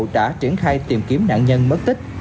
đã triển khai tìm kiếm nạn nhân mất tích